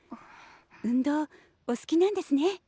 運動お好きなんですね。